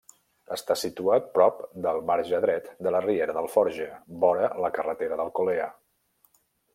Està situat prop del marge dret de la riera d'Alforja, vora la carretera d'Alcolea.